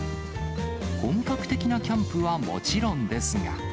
本格的なキャンプはもちろんですが。